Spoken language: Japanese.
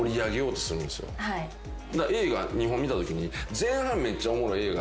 映画２本観たときに。